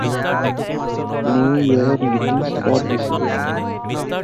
New য়েৰত greeting card দিছিলে।